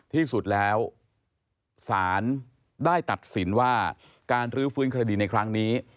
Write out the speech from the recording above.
ที่สุดแล้วสารได้ตัดสินว่าการรื้อฟื้นคดีในครั้งนี้